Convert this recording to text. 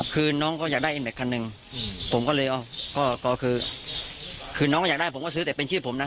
คือน้องก็อยากได้ผมก็ซื้อแต่เป็นชื่อผมนะ